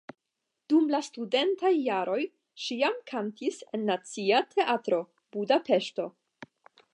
Dum la studentaj jaroj ŝi jam kantis en Nacia Teatro (Budapeŝto).